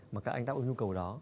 mà các anh ta cũng yêu cầu đó